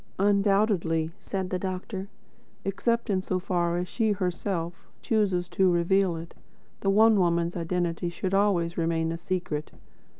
"Undoubtedly," said the doctor. "Except in so far as she herself, chooses to reveal it, the One Woman's identity should always remain a secret.